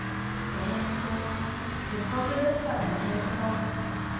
えっと武装グループから抜けること。